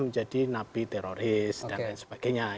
menjadi nabi teroris dan sebagainya